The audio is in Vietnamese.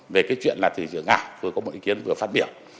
về cái chuyện là tiền ảo tôi có một ý kiến vừa phát biểu